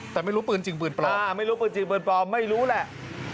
แต่ไม่รู้ปืนจริงปืนพลไม่รู้แหละ